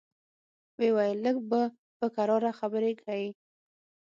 ويې ويل لږ به په کراره خبرې کيې.